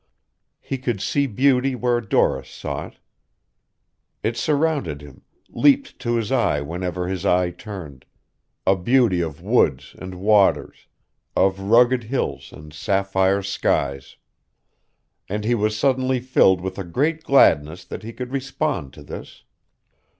He could see beauty where Doris saw it. It surrounded him, leaped to his eye whenever his eye turned, a beauty of woods and waters, of rugged hills and sapphire skies. And he was suddenly filled with a great gladness that he could respond to this.